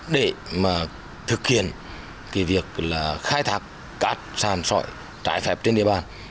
để thực hiện việc khai thác cát sạn trái phép trên địa bàn